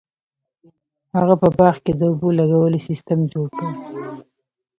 هغه په باغ کې د اوبو لګولو سیستم جوړ کړ.